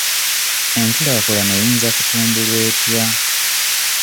Enkulaakulana eyinza kutumbulwa etya?